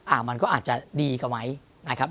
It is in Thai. มันก็อาจจะดีกว่าไหมนะครับ